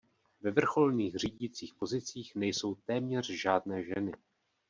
Ve vrcholných řídících pozicích nejsou téměř žádné ženy.